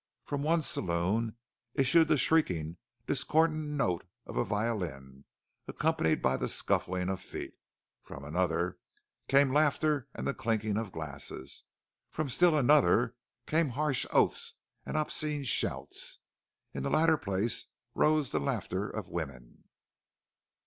From one saloon issued the shrieking, discordant notes of a violin, accompanied by the scuffling of feet; from another came laughter and the clinking of glasses; from still another came harsh oaths and obscene shouts. In the latter place rose the laughter of women.